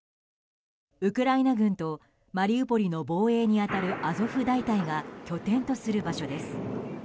ウクライナ軍とマリウポリの防衛に当たるアゾフ大隊が拠点とする場所です。